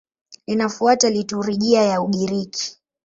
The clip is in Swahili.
Linafuata liturujia ya Ugiriki.